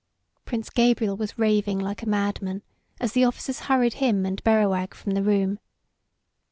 Prince Gabriel was raving like a madman as the officers hurried him and Berrowag from the room.